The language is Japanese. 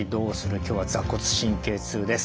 今日は坐骨神経痛です。